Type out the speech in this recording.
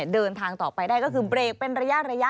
เดินทางต่อไปได้ก็คือเบรกเป็นระยะ